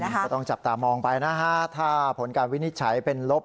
ก็ต้องจับตามองไปนะฮะถ้าผลการวินิจฉัยเป็นลบ